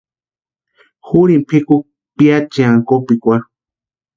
Jurini pʼikukwa piachiani kópikwarhu.